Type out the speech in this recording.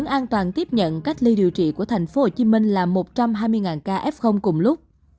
an toàn tiếp nhận cách ly điều trị của tp hcm là một trăm hai mươi ca f cùng lúc